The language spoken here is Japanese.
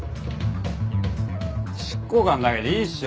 執行官だけでいいっしょ。